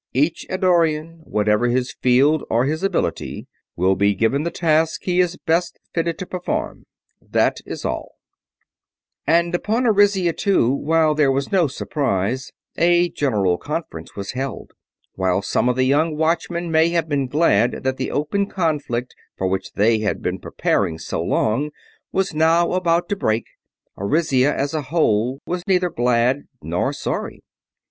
Each Eddorian, whatever his field or his ability, will be given the task he is best fitted to perform. That is all." And upon Arisia, too, while there was no surprise, a general conference was held. While some of the young Watchmen may have been glad that the open conflict for which they had been preparing so long was now about to break, Arisia as a whole was neither glad nor sorry.